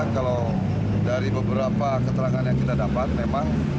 kalau dari beberapa keterangan tersebut